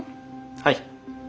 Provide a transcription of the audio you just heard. はい。